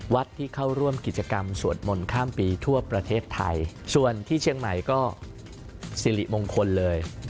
ที่เข้าร่วมกิจกรรมสวดมนต์ข้ามปีทั่วประเทศไทยส่วนที่เชียงใหม่ก็สิริมงคลเลย